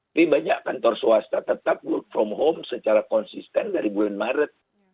tapi banyak kantor swasta tetap work from home secara konsisten dari bulan maret